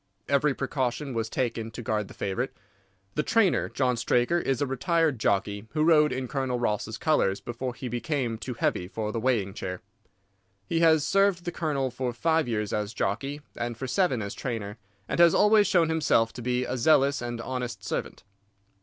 Every precaution was taken to guard the favourite. The trainer, John Straker, is a retired jockey who rode in Colonel Ross's colours before he became too heavy for the weighing chair. He has served the Colonel for five years as jockey and for seven as trainer, and has always shown himself to be a zealous and honest servant.